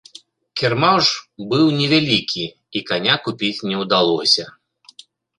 Кірмаш быў невялікі, і каня купіць не ўдалося.